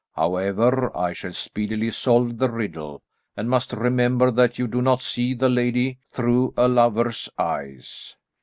However, I shall speedily solve the riddle, and must remember that you do not see the lady through a lover's eyes.